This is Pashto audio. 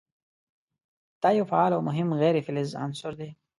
دا یو فعال او مهم غیر فلز عنصر دی.